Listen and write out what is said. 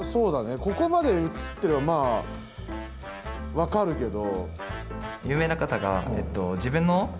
ここまで映ってればまあ分かるけど。